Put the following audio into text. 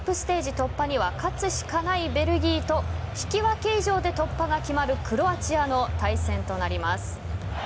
突破には勝つしかないベルギーと引き分け以上で突破が決まるクロアチアの対戦となります。